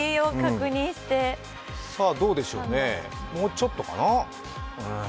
どうでしょうね、もうちょっとかな。